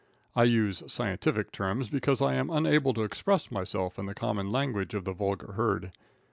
I use scientific terms because I am unable to express myself in the common language of the vulgar herd.